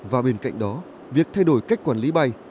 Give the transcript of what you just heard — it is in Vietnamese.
và bên cạnh đó việc thay đổi cách quản lý bay